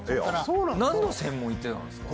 何の専門行ってたんですか？